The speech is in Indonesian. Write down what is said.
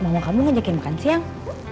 mau kamu ngajakin makan siang